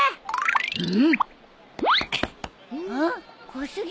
小杉。